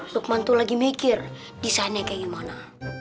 lukman tuh lagi mikir desainnya kayak gimana